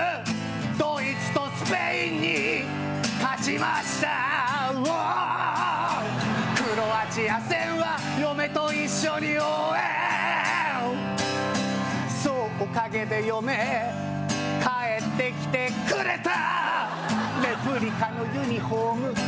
ドイツとスペインに勝ちましたＷｏｏクロアチア戦は嫁と一緒に応援そうおかげで嫁帰ってきてくれたレプリカのユニフォーム